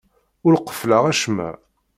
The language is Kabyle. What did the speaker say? Ur qeffleɣ acemma.